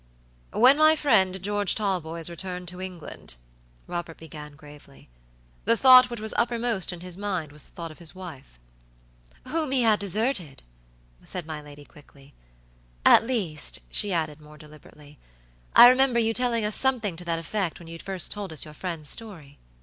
"When my friend, George Talboys, returned to England," Robert began, gravely, "the thought which was uppermost in his mind was the thought of his wife." "Whom he had deserted," said my lady, quickly. "At least," she added, more deliberately, "I remember your telling us something to that effect when you first told us your friend's story."